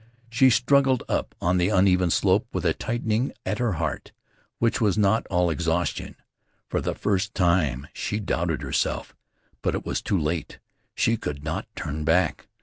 She struggled on up the uneven slope with a tightening at her heart which was not all exhaustion. For the first time she doubted herself, but it was too late. She could not turn back.